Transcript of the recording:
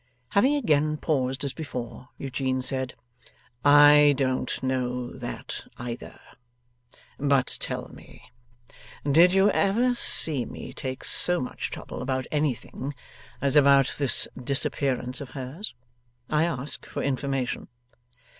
Having again paused as before, Eugene said: 'I don't know that, either. But tell me. Did you ever see me take so much trouble about anything, as about this disappearance of hers? I ask, for information.